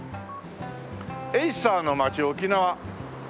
「エイサーのまち沖縄」